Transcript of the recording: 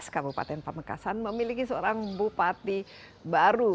kabupaten pamekasan memiliki seorang bupati baru